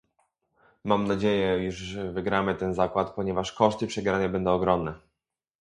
Mam nadzieję, iż wygramy ten zakład, ponieważ koszty przegranej będą ogromne